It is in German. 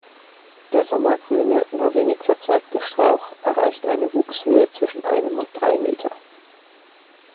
Der sommergrüne, nur wenig verzweigte Strauch erreicht eine Wuchshöhe zwischen einem und drei Meter.